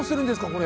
これ。